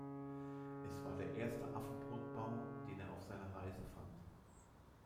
Es war der erste Affenbrotbaum, den er auf seiner Reise fand.